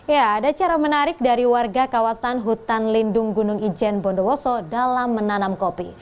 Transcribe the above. ya ada cara menarik dari warga kawasan hutan lindung gunung ijen bondowoso dalam menanam kopi